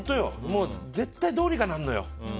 絶対どうにかなるのよ。